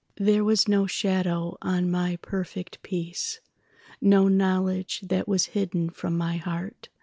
There was no shadow on my perfect peace, No knowledge that was hidden from my heart.